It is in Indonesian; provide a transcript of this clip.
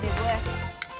pujetin dia deh gue